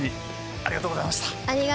ありがとうございます。